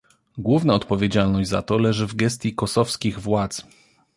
Główna odpowiedzialność za to leży w gestii kosowskich władz